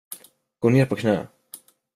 Gå ner på knä.